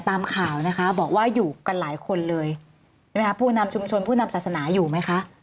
ตามข่าวนะคะบอกว่าอยู่กันหลายคนเลยใช่ไหมคะผู้นำชุมชนผู้นำศาสนาอยู่ไหมคะ